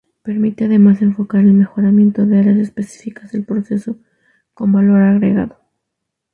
Permite además, enfocar el mejoramiento de áreas específicas del proceso con valor agregado.